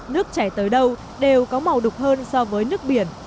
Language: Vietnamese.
nước chảy tới đâu đều có màu đục hơn so với nước biển